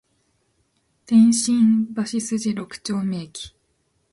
天津橋筋六丁目駅